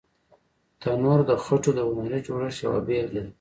تنور د خټو د هنري جوړښت یوه بېلګه ده